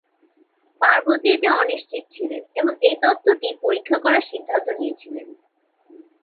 পার্বতী এতে অনিশ্চিত ছিলেন এবং এই তত্ত্বটি পরীক্ষা করার সিদ্ধান্ত নিয়েছিলেন।